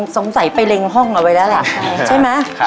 สงสัยไปเล็งห้องเอาไว้แล้วแหละใช่ไหม